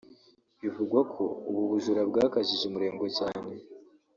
Bivugwa ko ubu bujura bwakajije umurego cyane